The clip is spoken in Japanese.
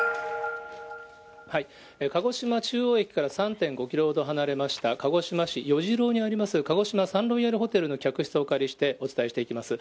鹿児島中央駅から３．５キロほど離れました、鹿児島市よじろうにあります、鹿児島サンロイヤルホテルの客室をお借りしてお伝えしていきます。